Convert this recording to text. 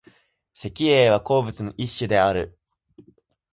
石英は鉱物の一種である。